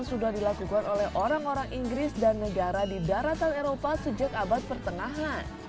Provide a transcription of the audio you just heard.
sudah dilakukan oleh orang orang inggris dan negara di daratan eropa sejak abad pertengahan